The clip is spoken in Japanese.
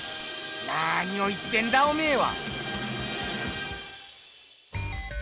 何を言ってんだおめえは！